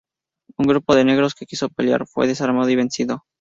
Un grupo de negros que quiso pelear fue desarmado y vencido.